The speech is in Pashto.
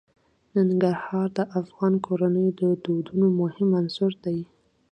ننګرهار د افغان کورنیو د دودونو مهم عنصر دی.